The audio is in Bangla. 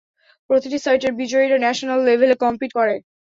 প্রতিটি সাইটের বিজয়ীরা ন্যাশনাল লেভেলে কম্পিট করে।